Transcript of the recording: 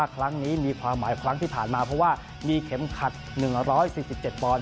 ครั้งนี้มีความหมายครั้งที่ผ่านมาเพราะว่ามีเข็มขัด๑๔๗ปอนด